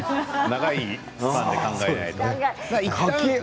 長いスパンで考えないと。